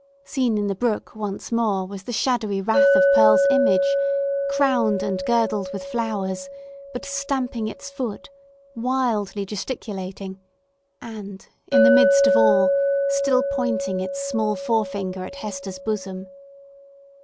Seen in the brook once more was the shadowy wrath of Pearl's image, crowned and girdled with flowers, but stamping its foot, wildly gesticulating, and, in the midst of all, still pointing its small forefinger at Hester's bosom.